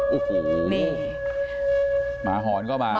อื้อโอ้โหมาหอนก็มา